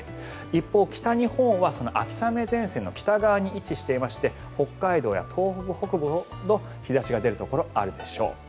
一方、北日本は秋雨前線の北側に位置していまして北海道や東北北部ほど日差しが出るところがあるでしょう。